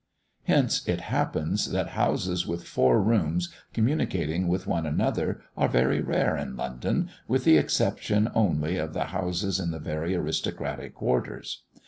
Hence it happens, that houses with four rooms communicating with one another are very rare in London, with the exception only of the houses in the very aristocratic quarters.